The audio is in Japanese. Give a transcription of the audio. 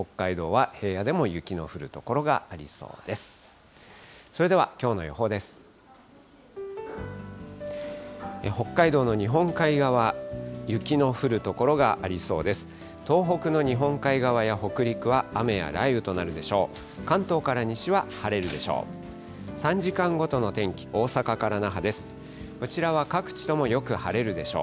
東北の日本海側や北陸は雨や雷雨となるでしょう。